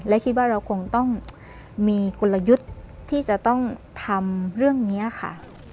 และคิดว่าเราคงต้องมีกลยุทธ์ที่จะต้องทำเรื่องนี้ค่ะ